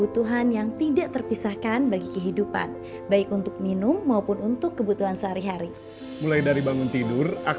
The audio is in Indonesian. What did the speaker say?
terima kasih pak